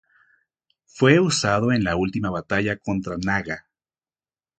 Fue usado en la última batalla contra Naga.